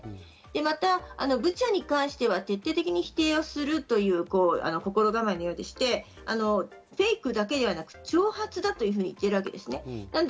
またブチャに関しては徹底的に否定をするという心構えのようでして、フェイクだけではなく、挑発だと言っているわけです。